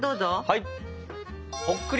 はい！